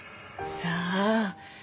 さあ。